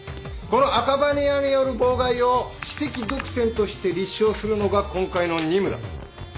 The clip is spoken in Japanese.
この赤羽屋による妨害を私的独占として立証するのが今回の任務だ。